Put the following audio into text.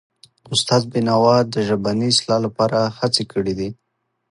استاد بینوا د ژبني اصلاح لپاره هڅې کړی دي.